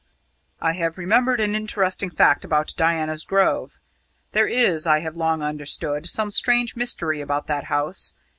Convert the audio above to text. "I have remembered an interesting fact about Diana's Grove there is, I have long understood, some strange mystery about that house.